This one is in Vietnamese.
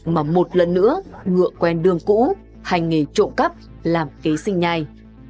mà một lần nữa ngựa quen đường cũ hành nghề trộm cắp làm kế sinh nhai